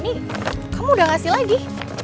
ini kamu udah ngasih lagi